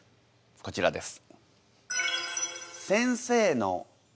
こちらです。